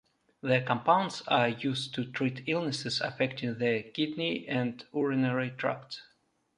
The compounds are used to treat illnesses affecting the kidney and urinary tract.